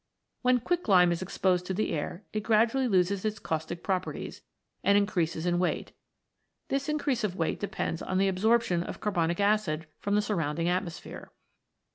When quicklime is exposed to the air it gradually loses its caustic properties, and increases in weight ; this increase of weight depends on the absorption of carbonic acid from the surrounding atmosphere.